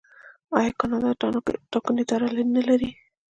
آیا کاناډا د ټاکنو اداره نلري؟